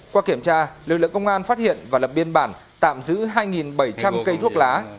qua kiểm tra lực lượng công an phát hiện và lập biên bản tạm giữ hai bảy trăm linh cây thuốc lá